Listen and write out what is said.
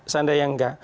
sandai yang nggak